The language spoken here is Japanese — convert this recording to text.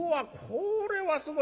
これはすごいな。